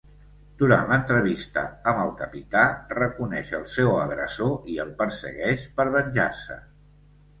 Durant l'entrevista amb el capità, reconeix el seu agressor i el persegueix per venjar-se.